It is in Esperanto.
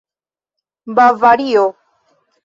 bavario